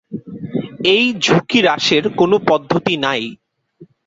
এই ঝুঁকি হ্রাসের কোন পদ্ধতি নাই।